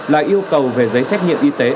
là yêu cầu về giấy xét nghiệm y tế